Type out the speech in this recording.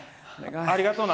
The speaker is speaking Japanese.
ありがとうな。